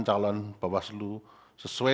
calon bawaslu sesuai